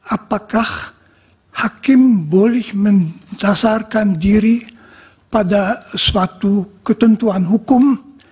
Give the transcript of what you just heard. apakah hakim boleh mencasarkan diri pada suatu ketentuan hukum